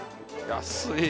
安い。